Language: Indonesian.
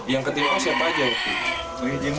yang ketimpa siapa aja